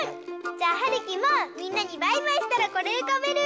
じゃあはるきもみんなにバイバイしたらこれうかべる！